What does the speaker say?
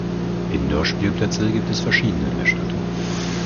Indoor-Spielplätze gibt es verschiedene in der Stadt.